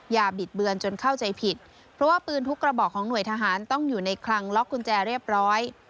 บิดเบือนจนเข้าใจผิดเพราะว่าปืนทุกกระบอกของหน่วยทหารต้องอยู่ในคลังล็อกกุญแจเรียบร้อย